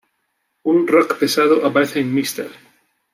Un rock pesado aparece en "Mr.